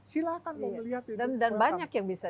silakan melihat dan banyak yang bisa